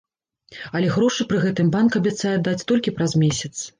Але грошы пры гэтым банк абяцае аддаць толькі праз месяц.